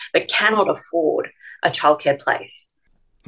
tapi tidak dapat mencari tempat perubahan